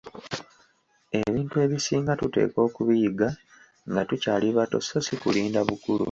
Ebintu ebisinga tuteekwa okubiyiga nga tukyali bato so si kulinda bukulu.